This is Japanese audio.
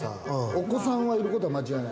お子さんがいることは間違いない。